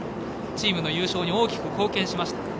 チームの優勝に大きく貢献しました。